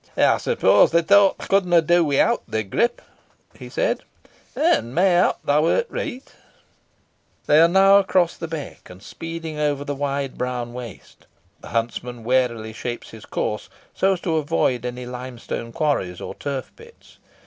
"Ey suppose theaw thowt ey couldna do without thee, Grip," he said, "and mayhap theaw'rt reet." They are now across the beck, and speeding over the wide brown waste. The huntsman warily shapes his course so as to avoid any limestone quarries or turf pits.